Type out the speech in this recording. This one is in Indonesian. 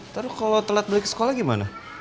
taduh kalo telat balik ke sekolah gimana